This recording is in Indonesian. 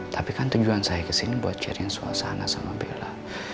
tapi kan tujuan saya kesini buat cariin suasana sama bella